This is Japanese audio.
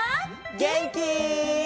げんき？